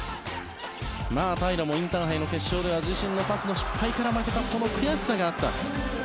平良もインターハイの決勝では自身のパスの失敗から負けたその悔しさがあった。